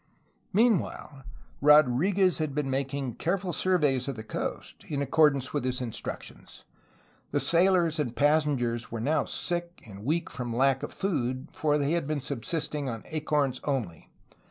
Meanwhile Rodrfguez had been making careful surveys of the coast, in accordance with his instructions. The sailors and passengers were now sick and weak from lack of food, for they had been subsisting on acorns only.